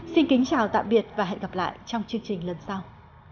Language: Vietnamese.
xin kính chào tạm biệt và hẹn gặp lại trong chương trình lần sau